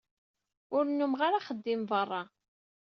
Ur nnumeɣ ara axeddim beṛṛa.